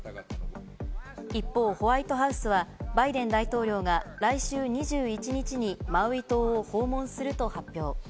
一方、ホワイトハウスはバイデン大統領が来週２１日にマウイ島を訪問すると発表。